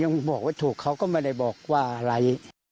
ยังได้โทรเท่าไหร่ไม่ได้บอกว่าอะไร